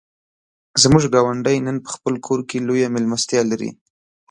زموږ ګاونډی نن په خپل کور کې لویه مېلمستیا لري.